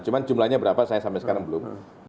cuma jumlahnya berapa saya sampai sekarang belum